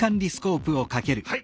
はい！